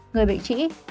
người bệnh trĩ